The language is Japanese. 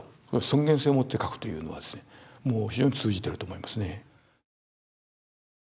尊厳性をもって描くというのがもう非常に通じてると思いますね。